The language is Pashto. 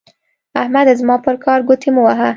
احمده زما پر کار ګوتې مه وهه.